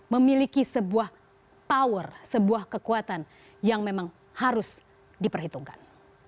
memiliki sebuah kekuatan yang memang harus diperhitungkan